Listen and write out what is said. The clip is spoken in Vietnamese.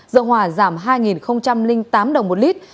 dầu hòa giảm hai tám đồng một lít